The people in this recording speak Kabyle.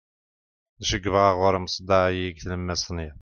acu yebɣa ɣur-i umseḍḍeɛ-agi deg tlemmast n yiḍ